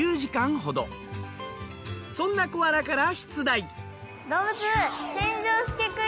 そんなコアラから出題。